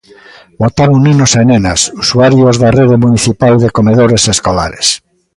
Votaron nenos e nenas, usuarios da Rede Municipal de Comedores Escolares.